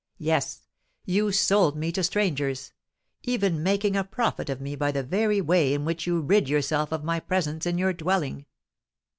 Yes—you sold me to strangers—even making a profit of me by the very way in which you rid yourself of my presence in your dwelling!